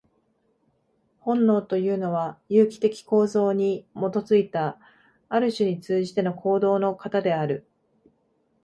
本能というのは、有機的構造に基いた、ある種に通じての行動の型である。